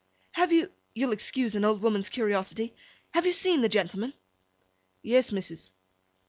'Have you—you'll excuse an old woman's curiosity—have you seen the gentleman?' 'Yes, missus.